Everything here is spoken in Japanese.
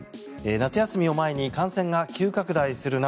夏休みを前に感染が急拡大する中